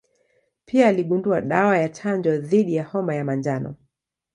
Pia aligundua dawa ya chanjo dhidi ya homa ya manjano.